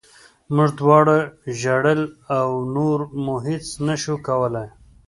موږ دواړو ژړل او نور مو هېڅ نه شول کولی